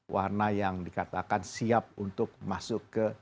warna yang dikatakan siap untuk masuk ke